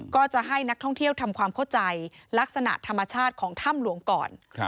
ก็จะให้นักท่องเที่ยวทำความเข้าใจลักษณะธรรมชาติของถ้ำหลวงก่อน